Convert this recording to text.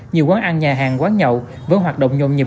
nhiều quán ăn nhà hàng quán nhậu vẫn hoạt động nhồn nhịp